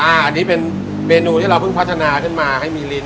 อันนี้เป็นเมนูที่เราเพิ่งพัฒนาขึ้นมาให้มีลิ้น